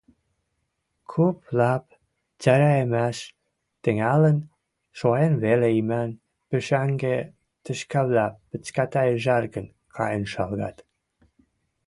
Куп лап цӓрӓэмӓш тӹнгӓлӹн, шоэн веле имӓн пушӓнгӹ тӹшкӓвлӓ пӹцкӓтӓ-ыжаргын кайын шалгат.